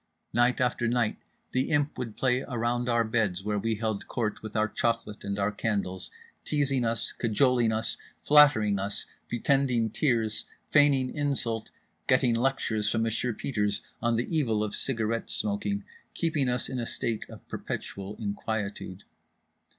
Night after night The Imp would play around our beds, where we held court with our chocolate and our candles; teasing us, cajoling us, flattering us, pretending tears, feigning insult, getting lectures from Monsieur Peters on the evil of cigarette smoking, keeping us in a state of perpetual inquietude.